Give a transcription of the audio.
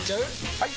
・はい！